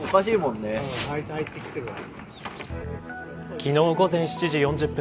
昨日、午前７時４０分